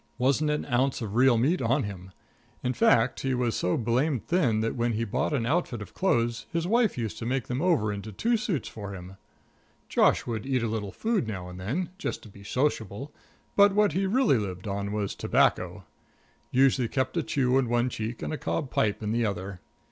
Wasn't an ounce of real meat on him. In fact, he was so blamed thin that when he bought an outfit of clothes his wife used to make them over into two suits for him. Josh would eat a little food now and then, just to be sociable, but what he really lived on was tobacco. Usually kept a chew in one cheek and a cob pipe in the other.